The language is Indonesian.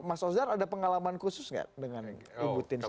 mas osdar ada pengalaman khusus nggak dengan ibu tien sendiri